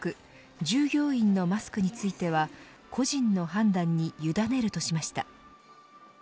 従業員のマスクについては個人の判断に委ねるとしました。